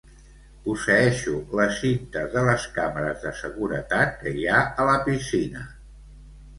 Posseeixo les cintes de les càmeres de seguretat que hi ha a la piscina.